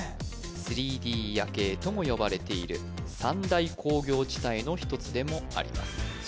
３Ｄ夜景とも呼ばれている三大工業地帯の一つでもあります